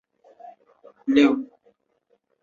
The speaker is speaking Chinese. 有德派克花介为粗面介科派克花介属下的一个种。